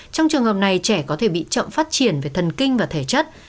trong trường hợp này trẻ có thể bị chậm phát triển về thần kinh và thể chất